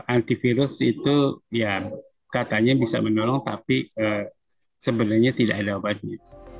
antivirus itu ya katanya bisa menolong tapi sebenarnya tidak ada obatnya